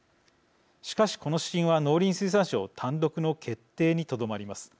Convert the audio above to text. しかしこの指針は農林水産省単独の決定にとどまります。